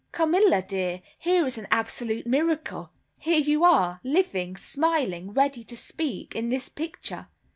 "Carmilla, dear, here is an absolute miracle. Here you are, living, smiling, ready to speak, in this picture.